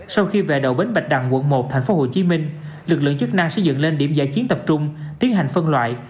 sau khi về đầu bến bạch đằng quận một thành phố hồ chí minh lực lượng chức năng sẽ dựng lên điểm giải chiến tập trung tiến hành phân loại